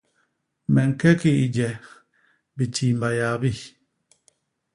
Me ñke ki i je, bitiimba yaa bi.